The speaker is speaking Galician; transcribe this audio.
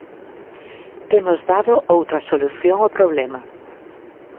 Temos dado outra solución ao problema.